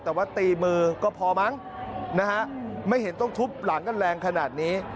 แต่ว่าตีมือก็พอมั้งนะฮะไม่เห็นต้องทุบหลังกันแรงขนาดนี้